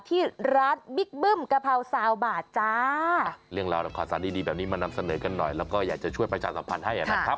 ที่ร้านบิ๊กบึ้มกระเภาสาวบาทจ้า